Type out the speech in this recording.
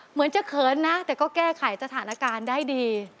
เหมือนจะเขินนะแต่ก็แก้ไขสถานการณ์ได้ดี